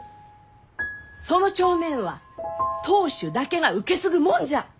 その帳面は当主だけが受け継ぐもんじゃ！